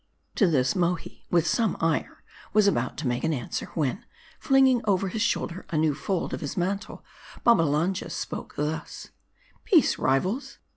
To this Mohi, with some ire, was about to make answer, when, flinging over his shoulder a new fold of his mantle, Babbalanja spoke thus : "Peace, rivals.